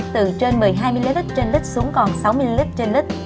từ trên một mươi hai ml trên lít xuống còn sáu ml trên lít